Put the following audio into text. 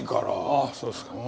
ああそうですか。